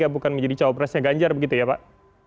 orang p tiga bukan menjadi cowok presnya ganjar begitu ya pak